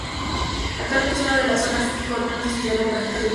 Actualmente es una de las zonas con menos densidad demográfica del país.